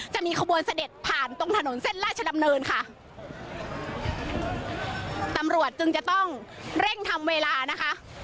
จะมีขบวนเสด็จผ่านตรงถนนเส้นราชดำเนินค่ะตำรวจจึงจะต้องเร่งทำเวลานะคะ